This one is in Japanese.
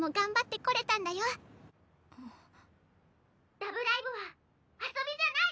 「『ラブライブ！』は遊びじゃない！」。